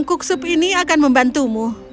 kuk sup ini akan membantumu